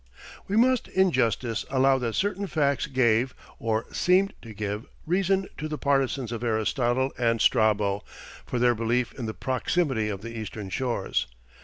We must in justice allow that certain facts gave, or seemed to give, reason to the partisans of Aristotle and Strabo for their belief in the proximity of the eastern shores.